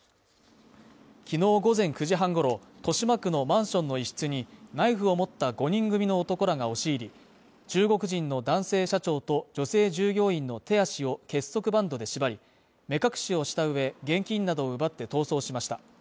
きのう午前９時半ごろ、豊島区のマンションの一室にナイフを持った５人組の男らが押し入り、中国人の男性社長と、女性従業員の手足を結束バンドで縛り、目隠しをしたうえ、現金などを奪って逃走しました。